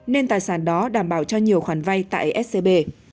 nên tài sản đó đảm bảo cho nhiều khoản vay tại scb